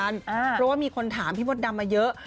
เพราะว่ามีคนถามพี่มดดำมาเยอะ